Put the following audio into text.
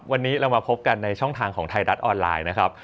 วันนี้เรามาพบกันในช่องทางของไทยรัฐออนไลน์นะครับ